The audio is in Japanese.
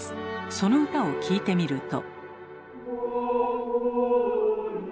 その歌を聴いてみると。